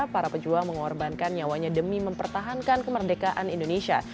para pejuang mengorbankan nyawanya demi mempertahankan kemerdekaan indonesia